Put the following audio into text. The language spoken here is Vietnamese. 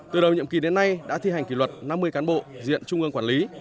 từ đầu nhiệm kỳ đến nay đã thi hành kỷ luật năm mươi cán bộ diện trung ương quản lý